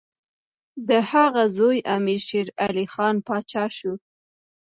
د هغه زوی امیر شېرعلي خان پاچا شو.